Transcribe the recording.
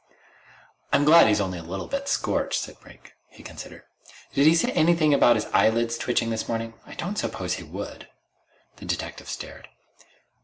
"I'm glad he's only a little bit scorched," said Brink. He considered. "Did he say anything about his eyelids twitching this morning? I don't suppose he would." The detective stared.